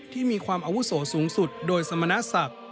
ที่มีความอาวุโสสูงสุดโดยสมณศักดิ์